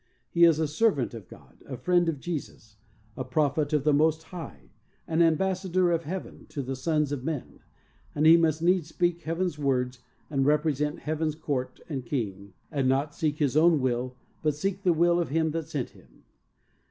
He is a servant of God, a friend of Jesus, a prophet of the Most High, an am bassador of Heaven to the sons of men, and he must needs speak Heaven's words and represent Heaven's court and King and not 12 THE SOUL winner's SECRET. seek his own will, but seek the will of Him that sent him.